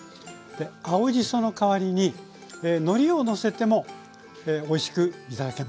青じその代わりにのりをのせてもおいしく頂けます。